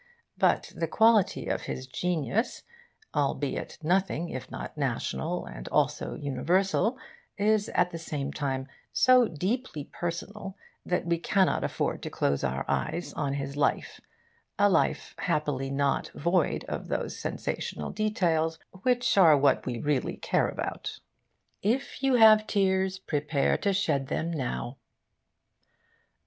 But the quality of his genius, albeit nothing if not national and also universal, is at the same time so deeply personal that we cannot afford to close our eyes on his life a life happily not void of those sensational details which are what we all really care about. 'If you have tears, prepare to shed them now.